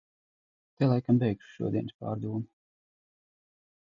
Te laikam beigšu šodienas pārdomu...